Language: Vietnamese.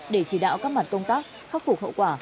để chỉ đạo các mặt công tác khắc phục hậu quả